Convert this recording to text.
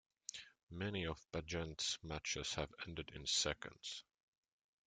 Many of Bagent's matches have ended in seconds.